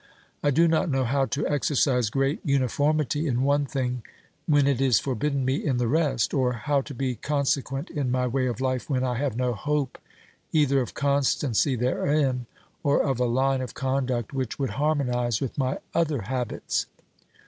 I do not know how to exercise great uni formity in one thing when it is forbidden me in the rest, or how to be consequent in my way of life when I have no hope either of constancy therein or of a line of conduct which would harmonise with my other habits.